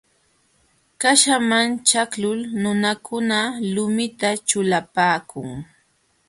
Qaśhaman ćhaqlul nunakuna lumita ćhulapaakun.